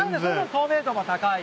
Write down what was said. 透明度も高い。